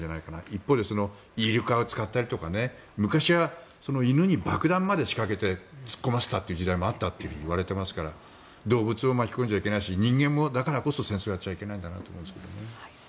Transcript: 一方でイルカを使ったりとか昔は犬に爆弾を積ませて突っ込ませたという時代もあったといわれていますから動物を巻き込んじゃいけないし人間もだからこそ戦争をやってはいけないと思いますけどね。